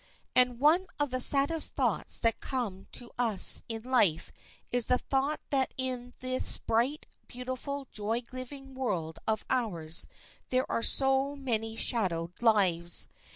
And one of the saddest thoughts that come to us in life is the thought that in this bright, beautiful, joy giving world of ours there are so many shadowed lives.